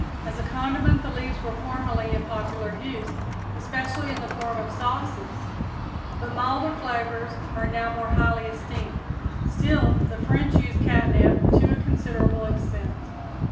As a condiment the leaves were formerly in popular use, especially in the form of sauces; but milder flavors are now more highly esteemed. Still, the French use catnip to a considerable extent.